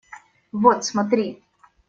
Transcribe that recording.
Вот смотри!